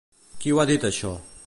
Qui ho ha dit això?